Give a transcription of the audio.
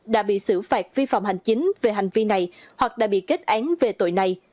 đã bị xử phạt vi phạm hành chính về hành vi này hoặc đã bị kết án về tội này